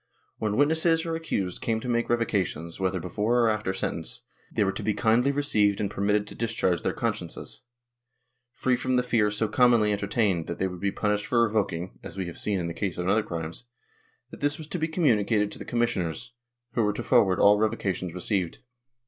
When witnesses or accused came to make revoca tions, whether before or after sentence, they were to be kindly received and permitted to discharge their consciences, free from the fear so commonly entertained, that they would be punished for revoking [as Vv^e have seen was the case in other crimes], and this was to be communicated to the commissioners, who were to forward all revocations received.